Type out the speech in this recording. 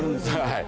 はい。